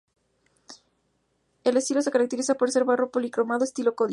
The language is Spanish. El estilo se caracteriza por el barro policromado estilo códice.